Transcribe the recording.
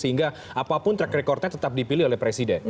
sehingga apapun track recordnya tetap dipilih oleh presiden